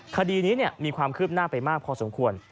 คดีนี้มีความคืบหน้าไปมากพอสมควร